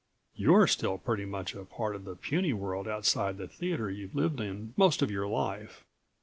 You're still very much a part of the puny world outside the theater you've lived in most of your life.